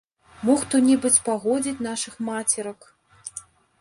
Мо хто-небудзь пагодзіць нашых мацерак.